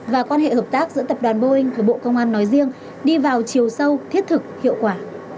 và quan hệ hợp tác giữa tập đoàn boeing của bộ công an nói riêng đi vào chiều sâu thiết thực hiệu quả